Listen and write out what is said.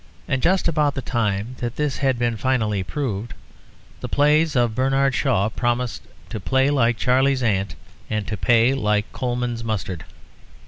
And just about the time that this had been finally proved, the plays of Bernard Shaw promised to play like Charley's Aunt and to pay like Colman's Mustard.